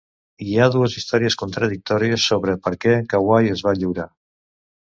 Hi ha dues històries contradictòries sobre per què Kauai es va lliurar.